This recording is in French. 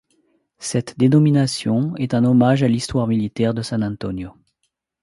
Cette dénomination est un hommage à l'histoire militaire de San Antonio.